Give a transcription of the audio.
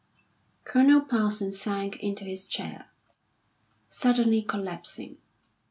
Colonel Parsons sank into his chair, suddenly collapsing.